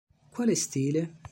Quale stile?...